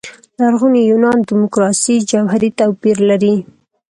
لرغوني یونان دیموکراسي جوهري توپير لري.